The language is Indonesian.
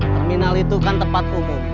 terminal itu kan tempat umum